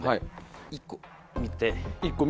１個見て。